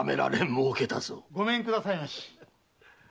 ・ごめんくださいまし。